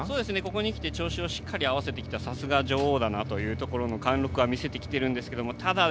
ここにきて調子をしっかり合わせてきたさすが女王だなという貫禄は見せてきてるんですけどただ、